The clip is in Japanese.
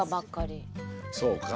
そうか。